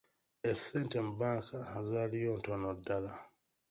Essente mu banka zaliyo ntono ddala.